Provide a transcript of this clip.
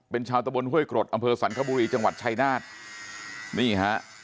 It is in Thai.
เป็นชาวตะบนห้วยกรดอำเภอสรรคบุรีจังหวัดชายนาฏนี่ฮะ